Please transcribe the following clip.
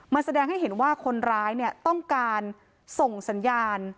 มันแสดงให้เห็นว่าคนร้ายต้องการส่งสัญญาณ